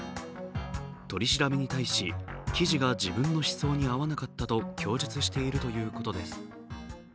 取り調べに対し、記事が自分の思想に合わなかったと供述しているということです。